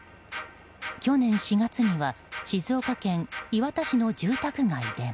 去年４月には静岡県磐田市の住宅街でも。